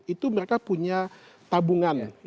itu mereka punya tabungan